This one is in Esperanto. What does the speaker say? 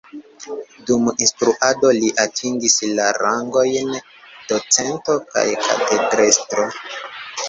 Dum instruado li atingis la rangojn docento kaj katedrestro.